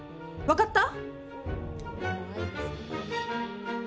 分かった？